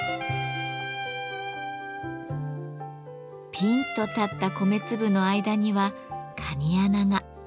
ピンと立った米粒の間には「かに穴」が。